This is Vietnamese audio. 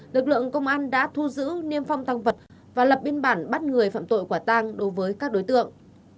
lực lượng công an đã thu giữ niêm phong tăng vật và lập biên bản bắt người phạm tội quả tang đối với các đối tượng